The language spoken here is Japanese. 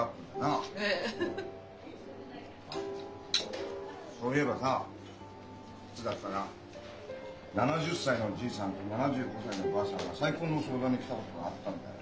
あっそういえばさいつだったか７０歳のじいさんと７５歳のばあさんが再婚の相談に来たことがあったんだよ。